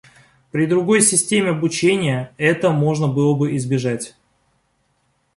При другой системе обучения этого можно было бы избежать.